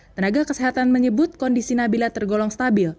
tenaga kesehatan menyebut kondisi nabila tergolong stabil